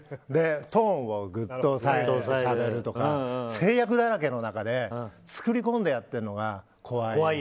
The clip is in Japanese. トーンをぐっと抑えるとか制約だらけの中で作り込んでやってるのが怖い役。